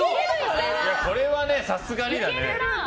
これはさすがにだね。